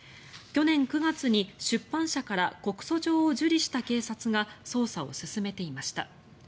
去年９月に出版社から告訴状を受理した警察が捜査を進めていました。